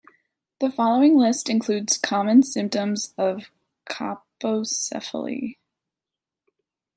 The following list includes common symptoms of colpocephaly.